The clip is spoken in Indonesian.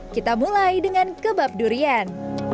kita mulai dengan kebab durian